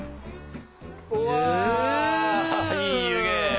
うわいい湯気！